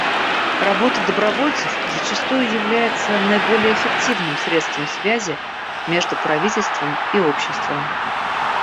Работа добровольцев зачастую является наиболее эффективным средством связи между правительством и обществом.